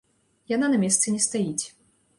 Яна на месцы не стаіць.